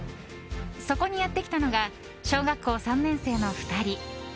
そこにやってきたのが小学校３年生の２人。